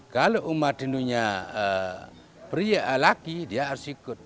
kalau umat hindunya pria laki dia harus ikut